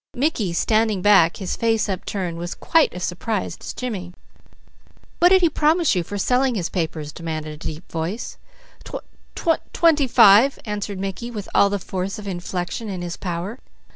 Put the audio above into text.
_ Mickey standing back, his face upturned, was quite as surprised as Jimmy. "What did he promise you for selling his papers?" demanded a deep voice. "Twen ty five," answered Mickey, with all the force of inflection in his power.